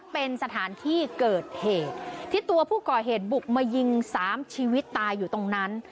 เป็นสถานที่เกิดเหตุที่ตัวผู้ก่อเหตุบุกมายิงสามชีวิตตายอยู่ตรงนั้น